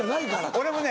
俺もね